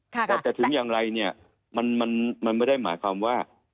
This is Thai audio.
แต่ถึงอย่างไรมันไม่ได้หมายความว่า